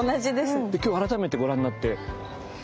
今日改めてご覧になって？